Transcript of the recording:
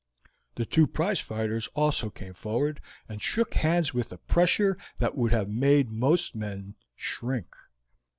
The two prize fighters also came forward, and shook hands with a pressure that would have made most men shrink.